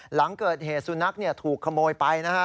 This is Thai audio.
หลังเกิดเหตุสุนัขถูกขโมยไปนะฮะ